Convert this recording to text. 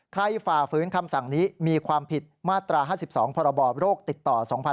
ฝ่าฝืนคำสั่งนี้มีความผิดมาตรา๕๒พรบโรคติดต่อ๒๕๖๒